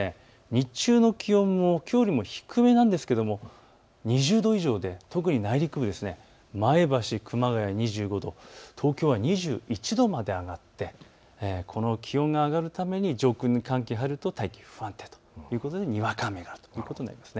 日中の気温もきょうよりも低めなんですが２０度以上で特に内陸部、前橋、熊谷２５度、東京は２１度まで上がって気温が上がるために上空の寒気が入ると大気不安定、にわか雨ということになりそうです。